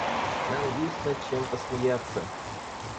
Нам есть над чем посмеяться!